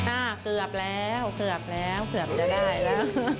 อ่าเกือบแล้วเกือบแล้วเกือบจะได้แล้ว